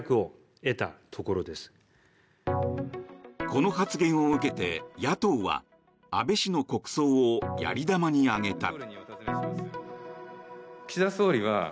この発言を受けて野党は安倍氏の国葬をやり玉に挙げた。